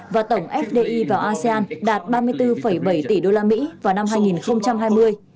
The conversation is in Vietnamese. và tổng fdi vào asean đạt ba mươi bốn bảy tỷ đô la mỹ vào năm hai nghìn hai mươi